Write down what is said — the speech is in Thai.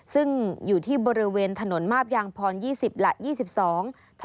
ซึ่งอยู่ที่บริเวณถนนมาบยางพร๒๐และ๒๒